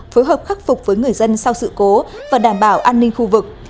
phối hợp khắc phục với người dân sau sự cố và đảm bảo an ninh khu vực